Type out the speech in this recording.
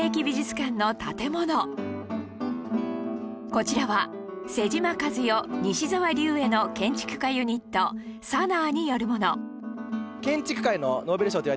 こちらは妹島和世西沢立衛の建築家ユニット ＳＡＮＡＡ によるもの